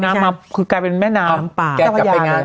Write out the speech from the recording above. พอน้ำมาคือกลายเป็นแม่น้ำ